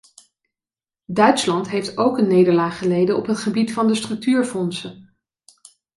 Duitsland heeft ook een nederlaag geleden op het gebied van de structuurfondsen...